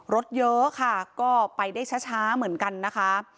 รถเยอะค่ะก็ไปได้ช้าเหมือนกันนะคะ